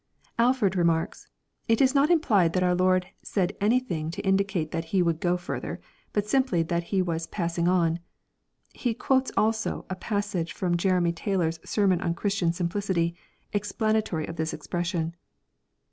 AJford remarks, " It is not implied that our Lord said anything to indicate that He would go further, but simply that He was pass ing on." He quotes also a passage from Jeremy Taylor's Sermon on Christian Simphcity, explanatory of this expression.